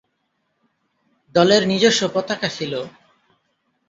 দলের নিজস্ব পতাকা ছিল।